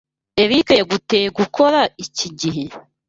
Eric yaguteye gukora iki gihe?